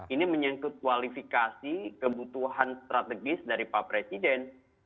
ini menyangkut kualifikasi kebutuhan strategis dari pak presiden